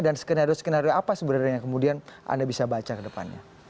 dan skenario skenario apa sebenarnya yang kemudian anda bisa baca ke depannya